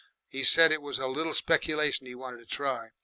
'E said it was a little speculation 'e wanted to try.